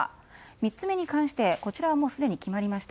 ３つ目に関してこちらはすでに決まりました。